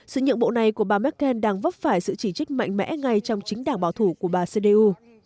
sự nhượng bộ này của bà merkel đang vấp phải sự chỉ trích mạnh mẽ ngay trong chính đảng bảo thủ của bà cdeu